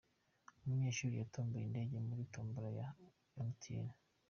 Umunyeshuri yatomboye indege muri tombora ya emutiyeni